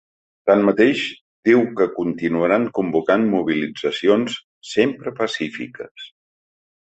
Tanmateix, diu que continuaran convocant mobilitzacions, ‘sempre pacífiques’.